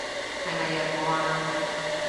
係咪潤我啊？